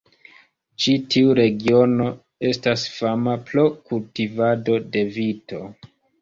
Ĉi tiu regiono estas fama pro kultivado de vito.